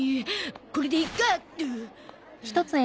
これでいっか。